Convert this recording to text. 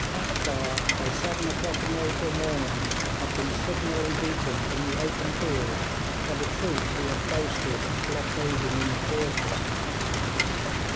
Akbar, by seven o'clock in the April morning, had been signally beaten in the open field by the troops he had boasted of blockading in the fortress.